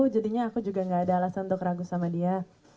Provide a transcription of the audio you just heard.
jadinya aku juga gak ada alasan untuk ragu sama dia